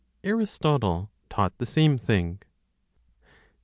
ARISTOTLE TAUGHT THE SAME THING.